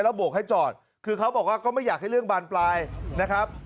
โบกให้จอดคือเขาบอกว่าก็ไม่อยากให้เรื่องบานปลายนะครับ